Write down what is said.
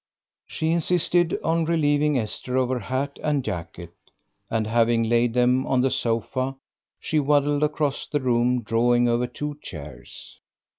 She insisted on relieving Esther of her hat and jacket, and, having laid them on the sofa, she waddled across the room, drawing over two chairs.